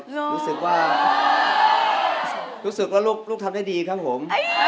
รู้สึกว่ารู้สึกว่าลูกทำได้ดีครับผม